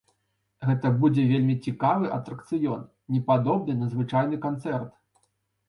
Гэта будзе вельмі цікавы атракцыён, непадобны на звычайны канцэрт!